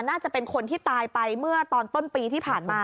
น่าจะเป็นคนที่ตายไปเมื่อตอนต้นปีที่ผ่านมา